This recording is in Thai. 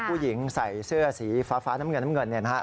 ผู้หญิงใส่เสื้อสีฟ้าน้ำเหนือนนะครับ